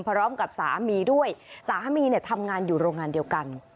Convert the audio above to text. พร้อมกับสามีด้วยสามีเนี่ยทำงานอยู่โรงงานเดียวกัน